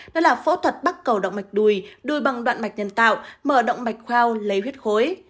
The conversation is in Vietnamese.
đó là phẫu thuật bắt cầu động mạch đùi đuôi bằng đoạn mạch nhân tạo mở động mạch khoa lấy huyết khối